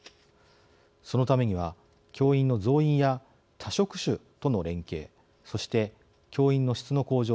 そのためには教員の増員や他職種との連携そして教員の質の向上。